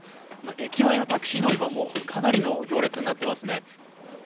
駅前のタクシー乗り場もかなりの行列になっていますね。